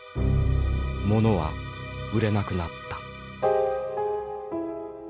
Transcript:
物は売れなくなった。